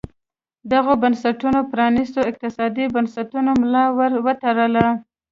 دغو بنسټونو پرانیستو اقتصادي بنسټونو ملا ور وتړله.